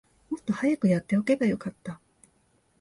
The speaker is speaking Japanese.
もっと早くやっておけばよかった